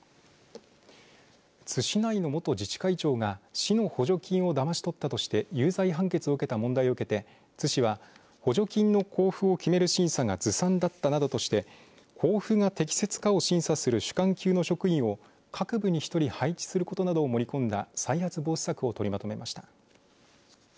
津市内の元自治会長が市の補助金をだまし取ったとして有罪判決を受けた問題を受けて、津市は補助金の交付を決める審査がずさんだったなどとして交付が適切かを審査する主幹級の職員を各部に１人配置することなどを盛り込んだ再発防止策を取りまとめました。